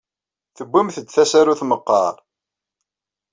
Tewwimt-d tasarut meqqar?